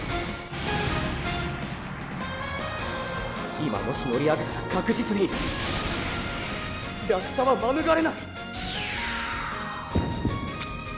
今もし乗り上げたら確実に落車は免れない！